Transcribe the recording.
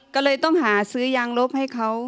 ก็เลยต้องหาซื้อยางลบให้เขา